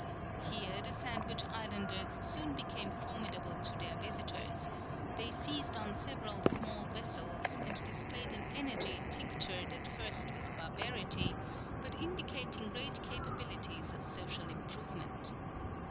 Hence the Sandwich islanders soon became formidable to their visitors; they seized on several small vessels, and displayed an energy tinctured at first with barbarity, but indicating great capabilities of social improvement.